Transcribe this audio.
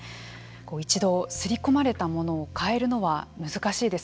一度刷り込まれたものを変えるのは難しいです。